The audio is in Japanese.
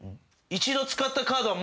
一度使ったカードは。